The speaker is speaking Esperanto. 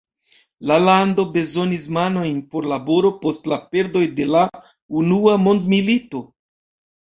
La lando bezonis manojn por laboro post la perdoj de la Unua Mondmilito.